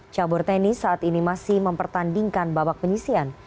cabur tenis saat ini masih mempertandingkan babak penyisian